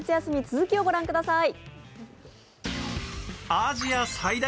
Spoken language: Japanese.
続きを御覧ください。